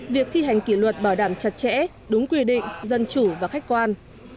việc thi hành kỷ luật bảo đảm chặt chẽ đúng quy định dân chủ và khách quan